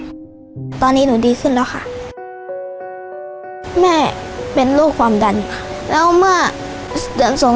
ตอนนี้หนูดีขึ้นแล้วค่ะแม่เป็นโรคความดันแล้วเมื่อเดือนสอง